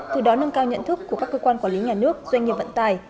từ đó nâng cao nhận thức của các cơ quan quản lý nhà nước doanh nghiệp vận tài